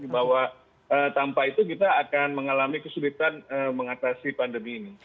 bahwa tanpa itu kita akan mengalami kesulitan mengatasi pandemi ini